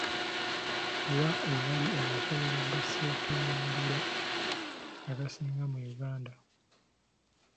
Wa ewali amasomero ga sekendule agasinga mu Uganda.